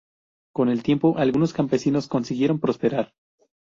Con el tiempo algunos campesinos consiguieron prosperar.